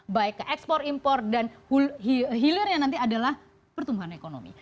baik ke ekspor impor dan hilirnya nanti adalah pertumbuhan ekonomi